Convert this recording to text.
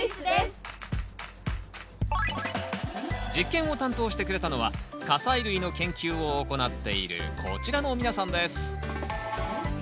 実験を担当してくれたのは果菜類の研究を行っているこちらの皆さんです